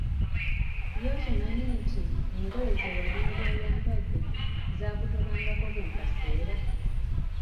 Ye okimanyi nti, engoye zewalinga oyambadde zaakutobangako buli kaseera!